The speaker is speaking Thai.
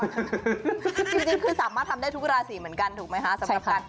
จริงจริงคือสามารถทำได้ทุกราศีเหมือนกันถูกไหมฮะใช่ค่ะ